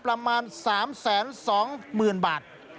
ประมาณ๓๒๐๐๐๐บาท